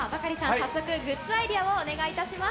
早速グッズアイデアをお願いします。